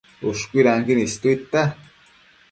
Ushcuidanquin istuidtia